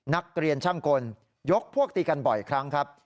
นักเรียนช่างกลยกพวกตีกันบ่อยครั้งครับ